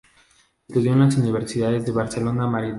Estudió en las universidades de Barcelona, Madrid y París.